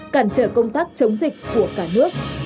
cản trở công tác chống dịch của cả nước